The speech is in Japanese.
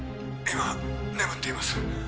今眠っています